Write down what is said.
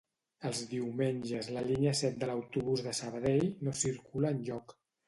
Els diumenges la línia set de l'autobús de Sabadell no circula enlloc